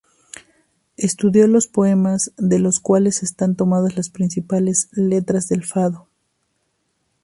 Estudió los poemas de los cuales están tomadas las principales letras del fado.